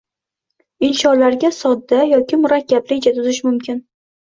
Insholarga sodda yoki murakkab reja tuzish mumkin.